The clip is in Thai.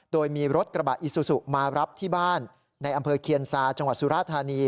โดยมีรถกระบะอิซูซุมารับที่บ้านในอำเภอเคียนซาจังหวัดสุราธานี